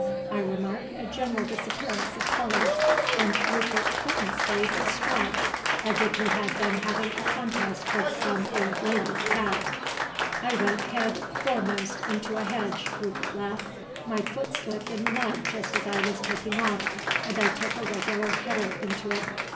I remark a general disappearance of collars, and Rupert Clinton's face is scratched as if he had been having a contest with some old lady's cat." "I went head foremost into a hedge," Rupert laughed. "My foot slipped in the mud just as I was taking off, and I took a regular header into it."